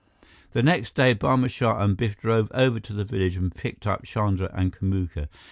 The next day, Barma Shah and Biff drove over to the village and picked up Chandra and Kamuka.